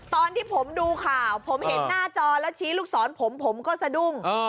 ตอนที่ผมดูข่าวผมเห็นหน้าจอแล้วชี้ลูกศรผมผมก็สะดุ้ง